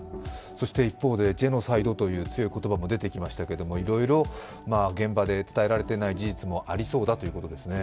一方で、ジェノサイドという強い言葉も出てきましたが、いろいろ現場で伝えられていない事実もありそうだということですね。